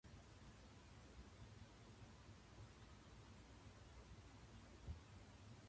「最新の研究では、睡眠不足が記憶力の定着に与える悪影響が科学的に証明されており、十分な休息を取ることの重要性が改めて強調されています。」